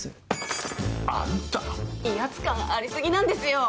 威圧感あり過ぎなんですよ！